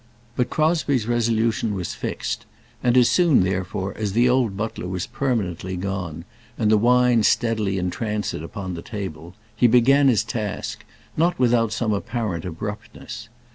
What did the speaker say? But Crosbie's resolution was fixed; and as soon, therefore, as the old butler was permanently gone, and the wine steadily in transit upon the table, he began his task, not without some apparent abruptness.